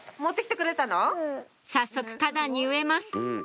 早速花壇に植えます